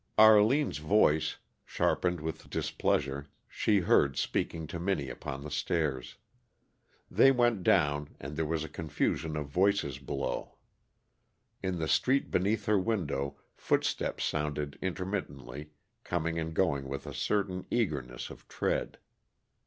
Arline's voice, sharpened with displeasure, she heard speaking to Minnie upon the stairs. They went down, and there was a confusion of voices below. In the street beneath her window footsteps sounded intermittently, coming and going with a certain eagerness of tread.